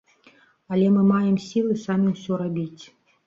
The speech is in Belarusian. Але мы маем сілы самі ўсё рабіць.